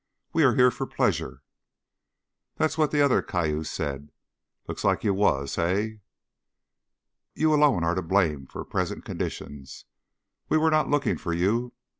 We are here for pleasure." "That's what the other cayuse said. Looks like you wuz, hey?" "You alone are to blame for present conditions. We were not looking for you.